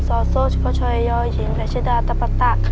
สาวสุชจาวชาวโยยร์ฉันแต่เชดอาตะปั๊ะตะ